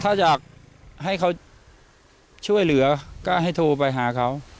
ถ้าอยากให้เขาช่วยเหลือก็ให้โทรไปหาเขา